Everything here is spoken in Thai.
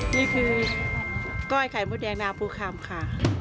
นี่คือก้อยไข่มดแดงนาปูคำค่ะ